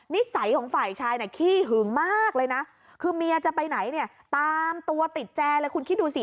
นิสัยของฝ่ายชายเนี่ยขี้หึงมากเลยนะคือเมียจะไปไหนเนี่ยตามตัวติดแจเลยคุณคิดดูสิ